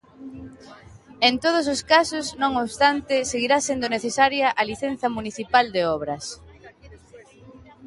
En todos os casos, non obstante, seguirá sendo necesaria a licenza municipal de obras.